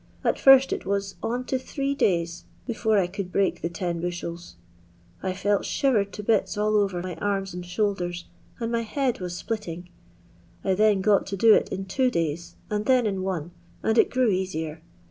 At first it was on to three days before I could break the ten bushels. I felt shivered to bita all over my arms and shoulders, and my bead waa aplitting. I then got to do it in two days, and then in one, and it grew easier.